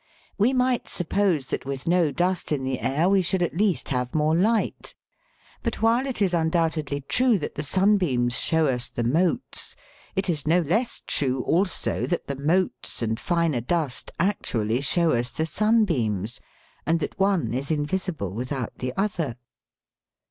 We might suppose that with no dust in the air we should at least have more light; but while it is undoubtedly true that the sunbeams show us the motes, it is no less true also that the motes and finer dust actually show us the sunbeams, and that one is invisible without the other.